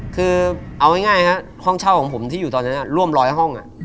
คือเอาง่ายครับห้องเช่าของผมที่อยู่ตอนนั้นร่วมร้อยห้อง